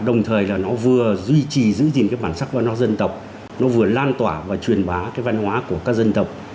đồng thời là nó vừa duy trì giữ gìn cái bản sắc văn hóa dân tộc nó vừa lan tỏa và truyền bá cái văn hóa của các dân tộc